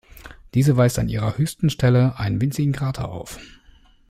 Diese weist an ihrer höchsten Stelle einen winzigen Krater auf.